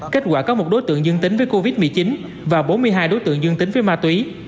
kết quả có một đối tượng dương tính với covid một mươi chín và bốn mươi hai đối tượng dương tính với ma túy